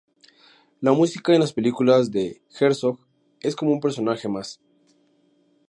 La música en las películas de Herzog es como un personaje más.